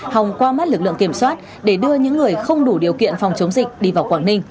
hòng qua mắt lực lượng kiểm soát để đưa những người không đủ điều kiện phòng chống dịch đi vào quảng ninh